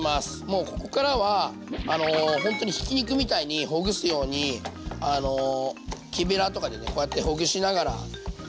もうここからはほんとにひき肉みたいにほぐすように木べらとかでねこうやってほぐしながら。